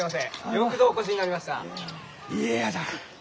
よくぞお越しになりました。